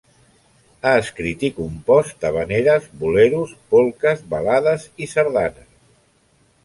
Ha escrit i compost havaneres, boleros, polques, balades i sardanes.